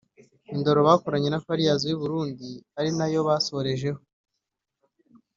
‘Indoro’ bakoranye na Furious w’i Burundi ari nayo basorejeho